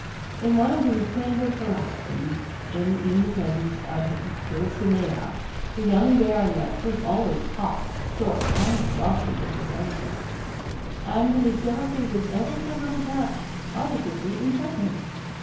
In one of these tender paroxysms, when in the presence of his Dulcinea, the young baronet was always hot, short, and saucy with his own sex; and when his jealousy was ever so little touched, positively impertinent.